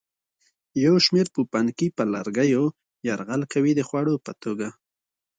یو شمېر پوپنکي پر لرګیو یرغل کوي د خوړو په توګه.